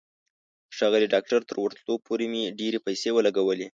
د ښاغلي ډاکټر تر ورتلو پورې مې ډېرې پیسې ولګولې.